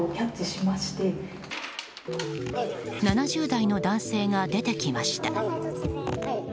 ７０代の男性が出てきました。